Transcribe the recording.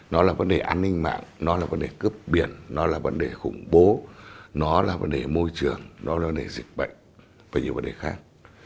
nó là vấn đề an ninh mạng nó là vấn đề cướp biển nó là vấn đề khủng bố nó là vấn đề môi trường nó là vấn đề dịch bệnh và nhiều vấn đề khác